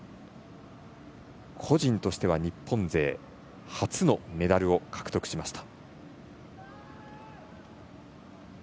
個人としては日本勢初のメダルを獲得しました。